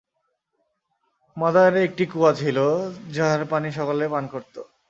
মাদায়ানে একটি কূয়া ছিল যার পানি সকলে পান করত।